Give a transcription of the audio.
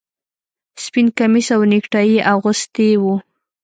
سپین کمیس او نیکټايي یې اغوستي وو